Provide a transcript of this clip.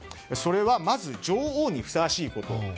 それはまず女王にふさわしいこと。